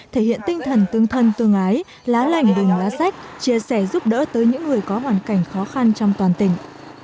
thể hiện tinh thần tương thân tương ái lá lành đùm lá sách chia sẻ giúp đỡ tới những người có hoàn cảnh khó khăn trong toàn tỉnh